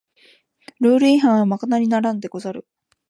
ルール違反はまかなりならんでござる